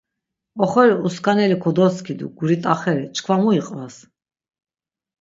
Oxori uskaneli kodoskidu guri t̆axeri, çkva mu iqvas.